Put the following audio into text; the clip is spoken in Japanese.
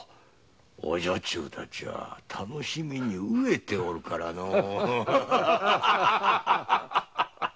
お女中たちは楽しみに飢えておるからのう。